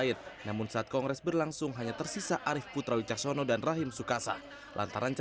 ini bukan kemenangan saya tapi kemenangan insan sepak bola indonesia